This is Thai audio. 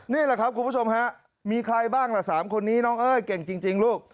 นี่แหละครับคุณผู้ชมมีใครบ้างน่ะสามคนนี้เก่งจริง